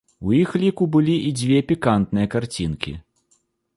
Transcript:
У іх ліку былі і дзве пікантныя карцінкі.